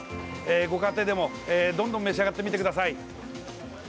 ご家庭でも、どんどん召し上がってみてください。